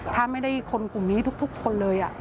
ถ้าไม่ได้คนกลุ่มนี้ทุกคนเลย